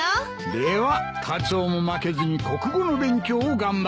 ではカツオも負けずに国語の勉強を頑張るように。